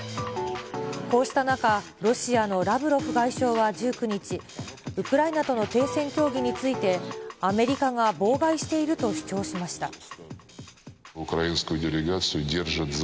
こうした中、ロシアのラブロフ外相は１９日、ウクライナとの停戦協議について、アメリカが妨害していると主張しました。